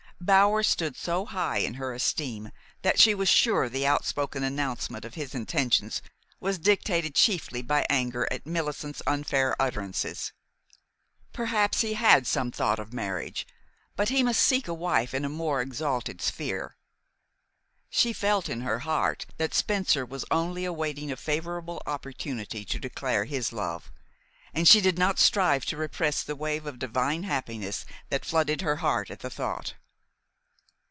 Bower stood so high in her esteem that she was sure the outspoken announcement of his intentions was dictated chiefly by anger at Millicent's unfair utterances. Perhaps he had some thought of marriage; but he must seek a wife in a more exalted sphere. She felt in her heart that Spencer was only awaiting a favorable opportunity to declare his love, and she did not strive to repress the wave of divine happiness that flooded her heart at the thought.